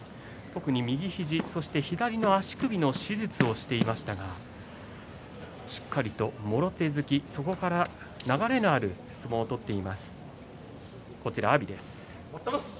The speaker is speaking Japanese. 右肘、左の足首の手術をしていましたがしっかりと、もろ手突きそこから流れのある相撲を取っています阿炎です。